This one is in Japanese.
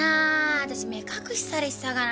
私目隠しされてたから。